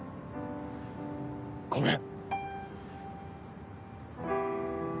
ごめん。